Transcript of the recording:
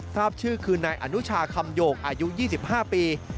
ทราบชื่อคือนายอนุชาคำโยกอายุ๒๕ปี